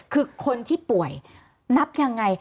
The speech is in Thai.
คือคนที่ป่วยนับยังไง